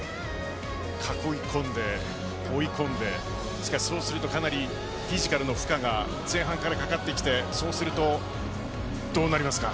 囲い込んで、追い込んでしかし、それをするとかなりフィジカルの負荷が前半からかかってきて、そうするとどうなりますか。